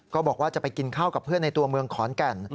บอกว่าจะไปกินข้าวกับเพื่อนในตัวเมืองขอนแก่น